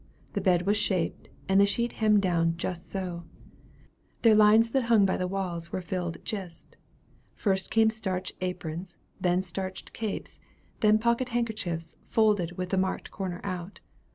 The bed was shaped, and the sheet hemmed down just so. Their lines that hung by the walls were filled "jist." First came starched aprons, then starched capes, then pocket handkerchiefs, folded with the marked corner out.